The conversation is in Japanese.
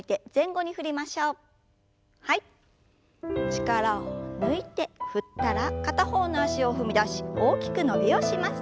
力を抜いて振ったら片方の脚を踏み出し大きく伸びをします。